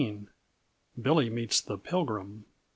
_Billy Meets the Pilgrim.